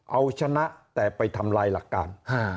เอาชนะแต่ไปทำลายหลักการ